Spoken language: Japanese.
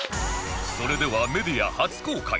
それではメディア初公開！